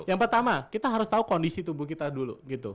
yang pertama kita harus tahu kondisi tubuh kita dulu